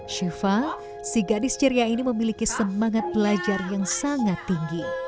syifa si gadis ceria ini memiliki semangat belajar yang sangat tinggi